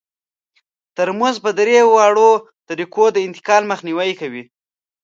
ترموز په درې واړو طریقو د انتقال مخنیوی کوي.